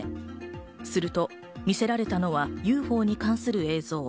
すると見せられたのは、ＵＦＯに関する映像。